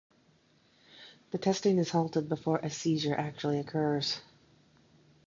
The testing is halted before a seizure actually occurs.